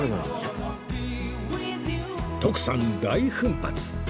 徳さん大奮発！